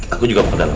aku juga mau ke dalam